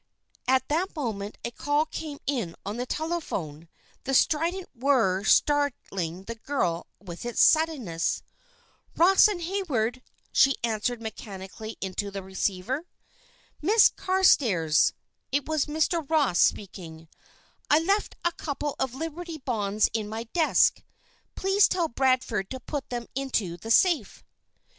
At that moment a call came in on the telephone, the strident whir startling the girl with its suddenness. "Ross and Hayward," she answered mechanically into the receiver. "Miss Carstairs," it was Mr. Ross speaking "I left a couple of Liberty Bonds in my desk. Please tell Bradford to put them into the safe."